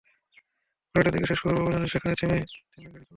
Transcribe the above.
সকাল নয়টার দিকে শেষ খবর পাওয়া পর্যন্ত সেখানে থেমে থেমে গাড়ি চলছে।